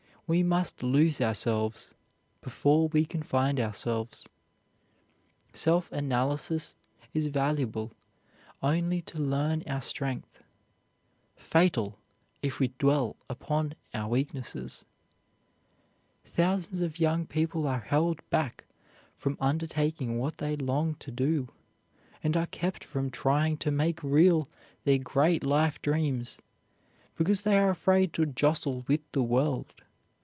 We must lose ourselves before we can find ourselves. Self analysis is valuable only to learn our strength; fatal, if we dwell upon our weaknesses. Thousands of young people are held back from undertaking what they long to do, and are kept from trying to make real their great life dreams, because they are afraid to jostle with the world.